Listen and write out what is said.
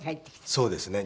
そうですね。